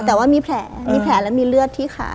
แต่ว่ามีแผลมีแผลและมีเลือดที่ขา